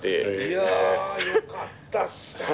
いやよかったっすね。